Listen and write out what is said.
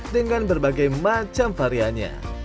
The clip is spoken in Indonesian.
dengan berbagai macam variannya